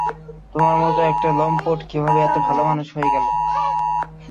তোমার মতো একটা লম্পট কিভাবে এত ভালো মানুষ হয়ে গেলো?